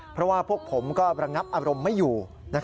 เพราะว่าพวกผมก็ระงับอารมณ์ไม่อยู่